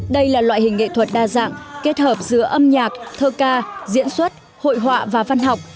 đây là loại hình nghệ thuật đa dạng kết hợp giữa âm nhạc thơ ca diễn xuất hội họa và văn học